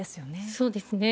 そうですね。